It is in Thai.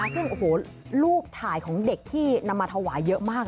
ซึ่งลูกถ่ายของเด็กที่นำมาถวายเยอะมากนะ